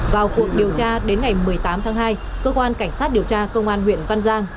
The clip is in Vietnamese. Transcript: vào cuộc điều tra đến ngày một mươi tám tháng hai cơ quan cảnh sát điều tra công an huyện văn giang